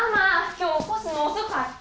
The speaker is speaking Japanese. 今日起こすの遅かった！